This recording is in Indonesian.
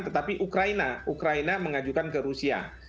tetapi ukraina ukraina mengajukan ke rusia